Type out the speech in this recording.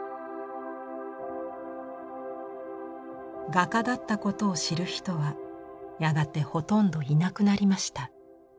画家だったことを知る人はやがてほとんどいなくなりました。